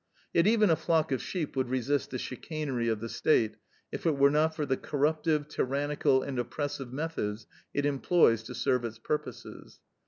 Yet even a flock of sheep would resist the chicanery of the State, if it were not for the corruptive, tyrannical, and oppressive methods it employs to serve its purposes.